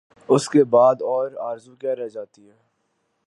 اس کے بعد اور آرزو کیا رہ جاتی ہے؟